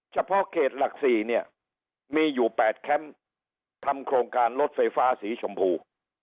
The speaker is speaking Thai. เฉพาะเขตหลัก๔เนี่ยมีอยู่๘แคมป์ทำโครงการรถไฟฟ้าสีชมพู